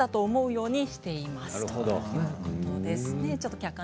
思うようにしています。